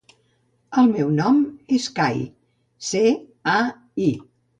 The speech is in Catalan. El meu nom és Cai: ce, a, i.